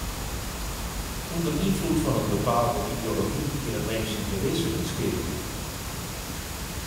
Under ynfloed fan in bepaalde ideology kin in minsk syn gewisse útskeakelje.